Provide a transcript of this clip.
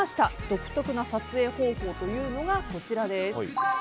独特な撮影方法がこちらです。